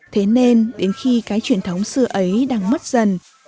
thế nên đến khi cái truyền thống xưa ấy đang mất dần